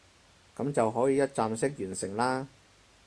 噉就可以一站式完成啦